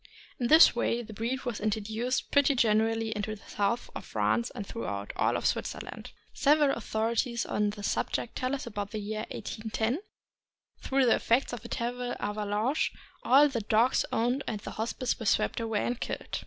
In this way the breed was introduced pretty generally into the south of France and throughout all of Switzerland. Several authorities on the subject tell us that about the year 1810, through the effects of a terrible avalanche, all the dogs owned at the Hospice were swept away and killed.